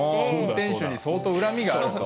運転手に相当恨みがあると。